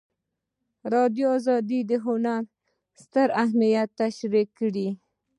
ازادي راډیو د هنر ستر اهميت تشریح کړی.